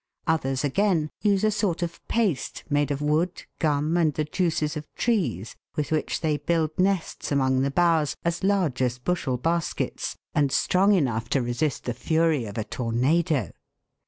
Others, again, use a sort of paste, made of wood, gum, and the juices of trees with which they build nests among the boughs as large as bushel baskets, and strong enough to resist the fury of a tornado.